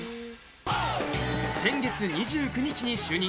先月２９日に就任。